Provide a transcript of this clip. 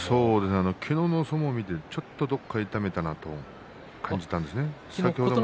昨日の相撲を見てちょっとどこか痛めたのかなと感じたんです。